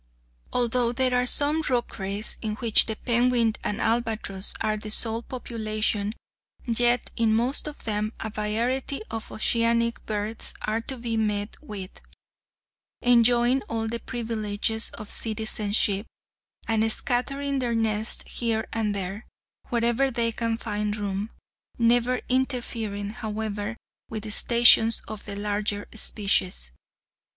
Although there are some rookeries in which the penguin and albatross are the sole population, yet in most of them a variety of oceanic birds are to be met with, enjoying all the privileges of citizenship, and scattering their nests here and there, wherever they can find room, never interfering, however, with the stations of the larger species.